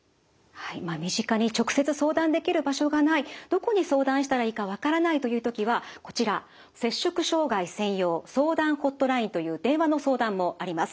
身近に直接相談できる場所がないどこに相談したらいいか分からないという時はこちら摂食障害専用「相談ほっとライン」という電話の相談もあります。